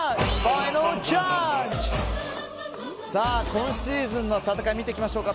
今シーズンの戦い見ていきましょうか。